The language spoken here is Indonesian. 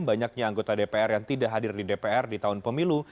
banyaknya anggota dpr yang tidak hadir di dpr di tahun pemilu